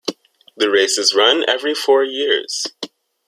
The race is run every four years.